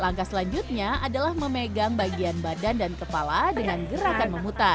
langkah selanjutnya adalah memegang bagian badan dan kepala dengan gerakan memutar